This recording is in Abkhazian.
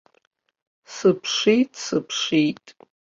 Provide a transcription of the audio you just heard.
Сыԥшит, сыԥшит.